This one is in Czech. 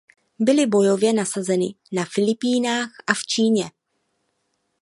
Byly bojově nasazeny na Filipínách a v Číně.